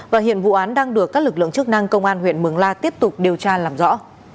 và hiện vụ án đang được các lực lượng chức năng công an huyện mường la tiếp tục điều tra làm rõ